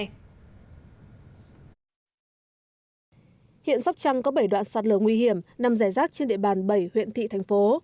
hiện sóc trăng có bảy đoạn sạt lở nguy hiểm nằm rẻ rác trên địa bàn bảy huyện thị thành phố